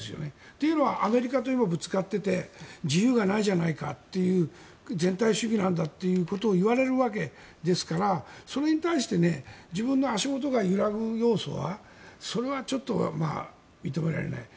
というのは今、アメリカとぶつかっていて自由がないじゃないかっていう全体主義なんだということを言われるわけですからそれに対して自分の足元が揺らぐ要素はそれはちょっと、認められない。